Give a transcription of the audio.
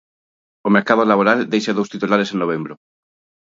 O mercado laboral deixa dous titulares en novembro.